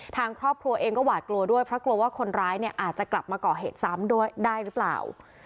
ทางครอบครัวเองก็หวาดกลัวด้วยเพราะกลัวว่าคนร้ายเนี่ยอาจจะกลับมาก่อเหตุซ้ำด้วยได้หรือเปล่า